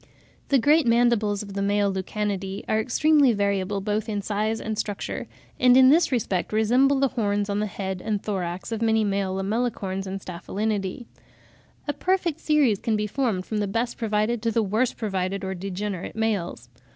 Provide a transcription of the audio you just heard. ] The great mandibles of the male Lucanidae are extremely variable both in size and structure, and in this respect resemble the horns on the head and thorax of many male Lamellicorns and Staphylinidae. A perfect series can be formed from the best provided to the worst provided or degenerate males.